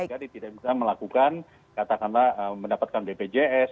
jadi tidak bisa melakukan katakanlah mendapatkan bpjs